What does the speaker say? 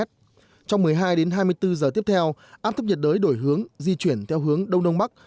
trong một mươi hai đến hai mươi bốn giờ tiếp theo áp thấp nhiệt đới đổi hướng di chuyển theo hướng đông đông bắc